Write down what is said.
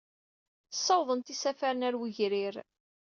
Ssawḍent isafaren ɣer wegrir.